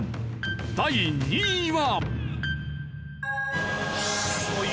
第２位は。